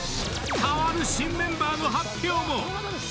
代わる新メンバーの発表も。